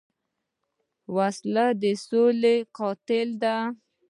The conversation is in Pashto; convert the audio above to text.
وسله د سولې قاتله ده